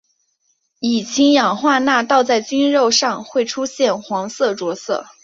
以氢氧化钾倒在菌肉上会出现黄色着色。